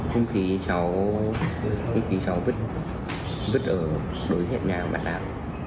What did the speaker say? hung khí cháu vứt ở đối diện nhà của bạn nào